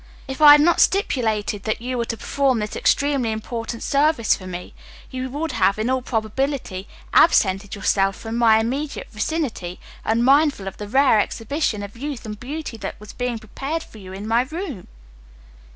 "If I had not stipulated that you were to perform this extremely important service for me, you would have in all probability absented yourself from my immediate vicinity, unmindful of the rare exhibition of youth and beauty that was being prepared for you in my room."